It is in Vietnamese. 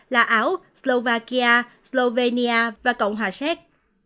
là áo slovakia slovenia và cộng hòa xét